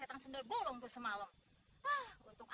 aku pun mah